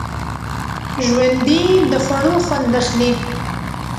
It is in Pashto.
ژوندي د خوړو خوند اخلي